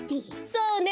そうね